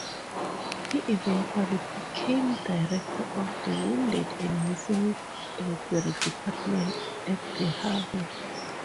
He eventually became Director of the Wounded and Missing Inquiry Department at Le Havre.